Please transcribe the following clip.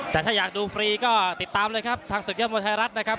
แต่ถ้าอยากดูฟรีก็ติดตามเลยครับทางศึกยอดมวยไทยรัฐนะครับ